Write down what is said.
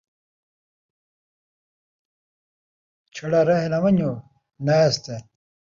چھڑا رہ نہ ونجو نائس تے